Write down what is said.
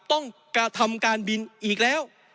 กระทำการบินอีกแล้ว